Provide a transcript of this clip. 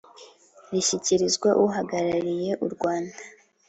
rishyikirizwa uhagarariye u Rwanda